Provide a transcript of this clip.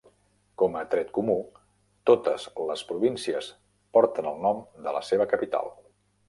Com a tret comú, totes les províncies porten el nom de la seva capital.